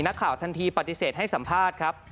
นักข่าวทันทีปฏิเสธให้สัมภาษณ์ครับ